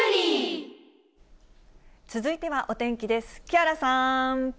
続いてはお天気です。